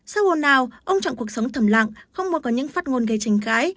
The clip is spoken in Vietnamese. sau ồn nào ông chọn cuộc sống thầm lặng không muốn có những phát ngôn gây tranh cãi